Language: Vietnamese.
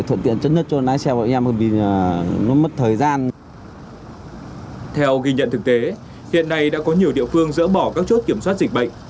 theo ghi nhận thực tế hiện nay đã có nhiều địa phương dỡ bỏ các chốt kiểm soát dịch bệnh